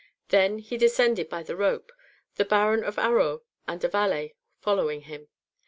Then he descended by the rope, the Baron of Arros and a valet following him.